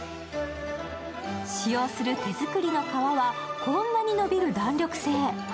使用する手作りの皮はこんなに伸びる弾力性。